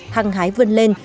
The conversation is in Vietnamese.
hằng hái vươn lên